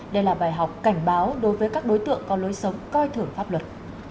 đây là bài học cảnh báo đối với các đối tượng có lối sống coi thưởng pháp luật